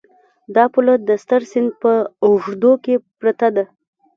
دا پوله د ستر سیند په اوږدو کې پرته ده.